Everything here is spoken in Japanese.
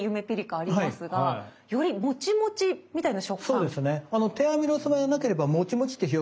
そうなんですね。